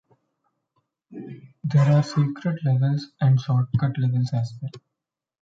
There are secret levels, and shortcut levels as well.